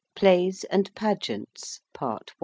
46. PLAYS AND PAGEANTS. PART I.